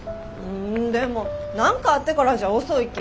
んでも何かあってからじゃ遅いき